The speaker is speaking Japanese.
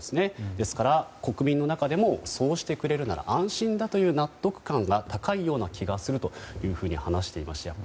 ですから、国民の中でもそうしてくれるなら安心だという納得感が高いような気がするというふうに話していました。